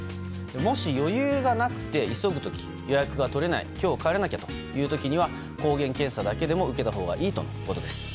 もし余裕がなくて急ぐ時予約が取れない今日帰らなきゃという時は抗原検査だけでも受けたほうがいいということです。